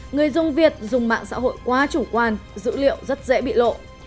người dùng việt dùng mạng xã hội quá chủ quan dữ liệu rất dễ bị lộ